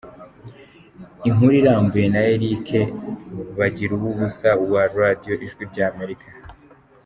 Inkuru irambuye na Eric Bagiruwubusa wa Radio Ijwi ry’Amerika